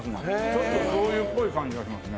ちょっとしょうゆっぽい感じがしますね。